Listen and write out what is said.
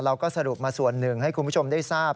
เราก็สรุปมาส่วนหนึ่งให้คุณผู้ชมได้ทราบ